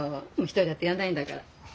一人だとやんないんだから。